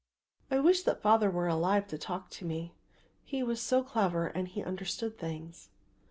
I wish that father were alive to talk to me. He was so clever and he understood things."